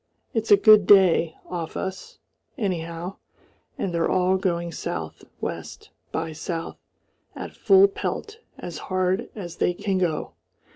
It's a good day off us, anyhow, and they're all going south west by south at full pelt as hard as they can go.